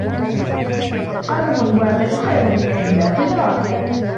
قزم واقف خير من عملاق راكع.